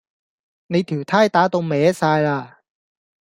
你條呔打到歪哂喇